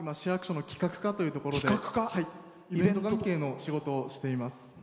企画課というところでイベント関係の仕事をしています。